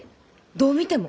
どう見ても！